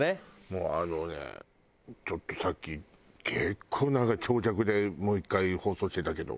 もうあのねちょっとさっき結構長尺でもう１回放送してたけど。